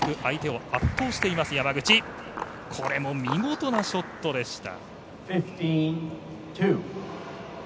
見事なショットでした。